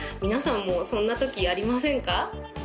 皆さんもそんなときありませんか？